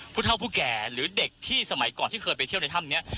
ผู้เก่าหรือเด็กที่สมัยก่อนที่เคยไปเที่ยวในทำเนี้ย